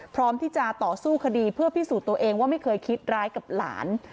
พร้อมที่จะต่อสู้คดีเพื่อพิสูจน์ตัวเองว่าไม่เคยคิดร้ายกับหลาน